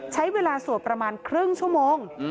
ใช้เวลาสวดประมาณครึ่งชั่วโมง